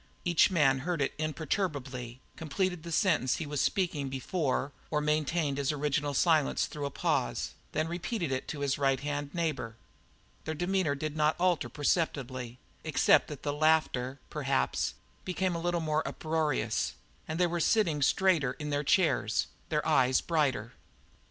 Each man heard it imperturbably, completed the sentence he was speaking before, or maintained his original silence through a pause, and then repeated it to his right hand neighbour. Their demeanour did not alter perceptibly, except that the laughter, perhaps, became a little more uproarious, and they were sitting straighter in their chairs, their eyes brighter.